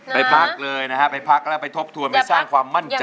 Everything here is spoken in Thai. ไปพักเลยนะฮะไปพักแล้วไปทบทวนไปสร้างความมั่นใจ